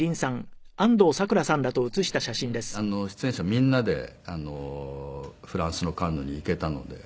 この時は出演者みんなでフランスのカンヌに行けたので。